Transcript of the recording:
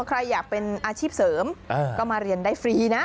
ใครอยากเป็นอาชีพเสริมก็มาเรียนได้ฟรีนะ